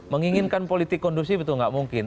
menginginkan politik kondusif itu nggak mungkin